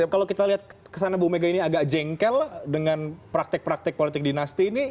kalau kita lihat kesana bu mega ini agak jengkel dengan praktek praktek politik dinasti ini